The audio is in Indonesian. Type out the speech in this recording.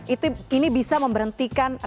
itu ini bisa memberhentikan rektorat indonesia